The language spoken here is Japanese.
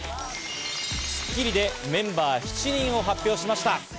『スッキリ』でメンバー７人を発表しました。